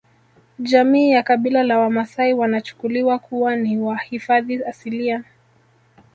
Jamii ya kabila la wamasai wanachukuliwa kuwa ni wahifadhi asilia